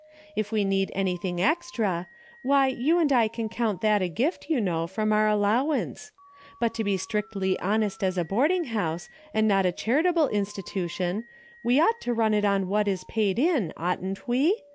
If we need anything extra, why you and I can count that a gift, you know, from our allowance. But to be strictly honest as a boarding house, and not a charitable institu tion, we ought to run it on what is paid in, oughtn't we?